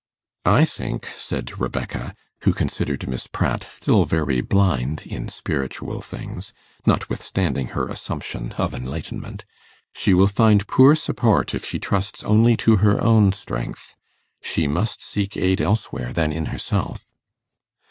'I think,' said Rebecca, who considered Miss Pratt still very blind in spiritual things, notwithstanding her assumption of enlightenment, 'she will find poor support if she trusts only to her own strength. She must seek aid elsewhere than in herself.